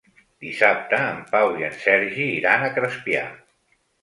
Dissabte en Pau i en Sergi iran a Crespià.